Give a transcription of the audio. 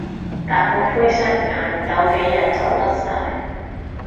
但個灰色捱唔到幾日就甩晒